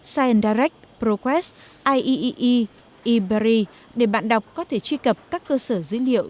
signdirect proquest ieee eberry để bạn đọc có thể truy cập các cơ sở dữ liệu